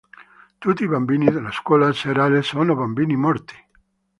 Tutti i bambini della scuola serale sono bambini morti.